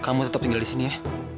kamu tetap tinggal disini ya